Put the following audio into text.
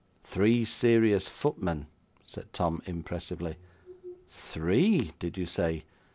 '"Three serious footmen,"' said Tom, impressively. 'Three? did you say?